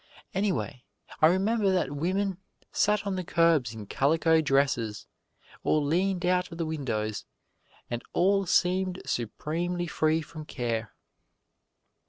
Anyway, I remember that women sat on the curbs in calico dresses or leaned out of the windows, and all seemed supremely free from care.